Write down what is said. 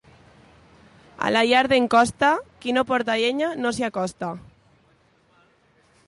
A la llar d'en Costa, qui no porta llenya no s'hi acosta.